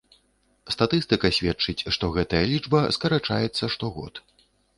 Статыстыка сведчыць, што гэтая лічба скарачаецца штогод.